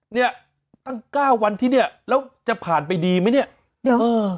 เนี่ยตั้งเก้าวันที่เนี้ยแล้วจะผ่านไปดีไหมเนี่ยเดี๋ยวเออ